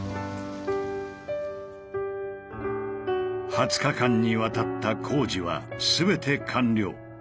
２０日間にわたった工事は全て完了。